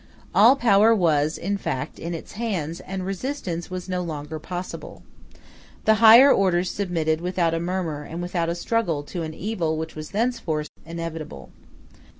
All power was, in fact, in its hands, and resistance was no longer possible. The higher orders submitted without a murmur and without a struggle to an evil which was thenceforth inevitable.